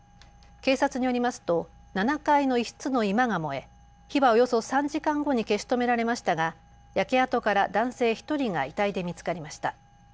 警察によりますと７階の一室の居間が燃え、火はおよそ３時間後に消し止められましたが焼け跡から男性１人が遺体で見つかりました。